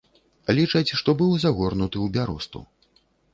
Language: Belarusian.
Лічаць, што быў загорнуты ў бяросту.